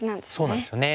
そうなんですよね。